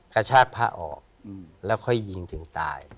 กระชากผ้าออกแล้วค่อยยิงถึงตาย